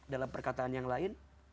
dalam perkataan yang lain